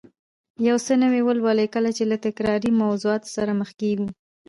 یو څه نوي ولولو، کله چې له تکراري موضوعاتو سره مخ کېږو